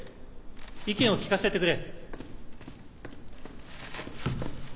意見を聞かせてくれ。